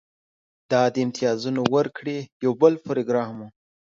دا د امتیازونو ورکړې یو بل پروګرام و